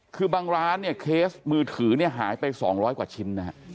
คือบางร้านเคสมือถือหายไป๒๐๐กว่าชิ้น